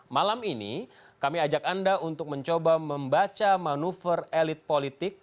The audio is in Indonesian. malam ini kami ajak anda untuk mencoba membaca manuver elit politik